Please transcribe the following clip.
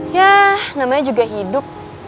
ya namanya juga hidup